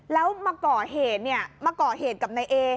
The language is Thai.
แล้วมาก่อเหตุกับนายเอ